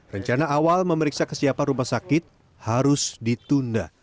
rencana awal memeriksa kesiapan rumah sakit harus ditunda